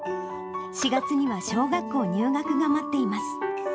４月には小学校入学が待っています。